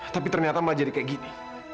tapi ternyata malah jadi kayak gini